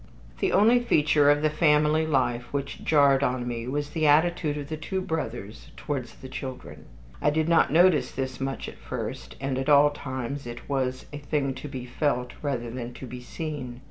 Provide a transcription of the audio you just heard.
II The only feature of the family life which jarred on me was the attitude of the two brothers towards the children. I did not notice this much at first, and at all times it was a thing to be felt rather than to be seen.